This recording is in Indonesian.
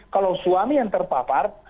kalau suami yang terpapar